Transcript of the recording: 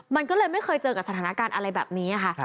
มันก็เลยไม่เคยเจอกับสถานการณ์อะไรแบบนี้ค่ะ